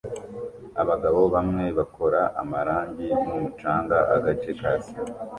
Abagabo bamwe bakora amarangi n'umucanga agace ka sima